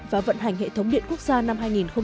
và vận hành hệ thống điện quốc gia năm hai nghìn hai mươi